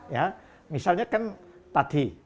ya misalnya kan tadi